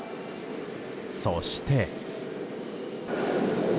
そして。